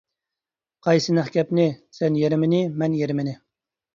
-قايسى نەق گەپنى؟ -سەن يېرىمىنى، مەن يېرىمىنى!